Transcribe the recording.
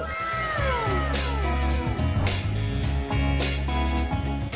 ว้าว